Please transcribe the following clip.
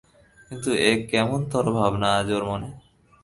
কিন্তু এ কেমনতরো ভাবনা আজ ওর মনে!